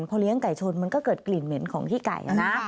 พอเลี้ยงไก่ชนมันก็เกิดกลิ่นเหม็นของขี้ไก่นะ